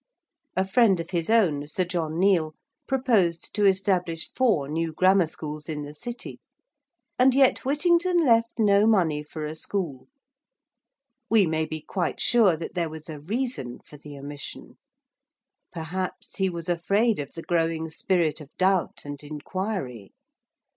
A friend of his own, Sir John Niel, proposed to establish four new grammar schools in the City. And yet Whittington left no money for a school. We may be quite sure that there was a reason for the omission. Perhaps he was afraid of the growing spirit of doubt and inquiry.